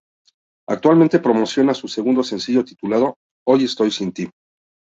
Actualmente promociona su segundo sencillo titulado "Hoy estoy sin ti".